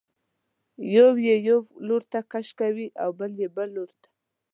یو یې یو لورته کش کوي او بل یې بل لورته.